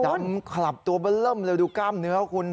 ดำขลับตัวเบอร์เริ่มเลยดูกล้ามเนื้อคุณ